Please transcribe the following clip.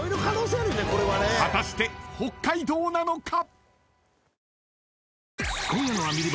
［果たして北海道なのか！？］